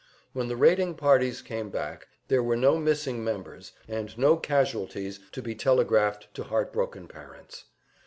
When the raiding parties came back, there were no missing members, and no casualties to be telegraphed to heartbroken parents.